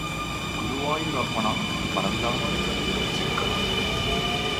குருவாயூரப்பனாம் பரந்தாமனைக் கண்டு தரிசிக்கலாம்.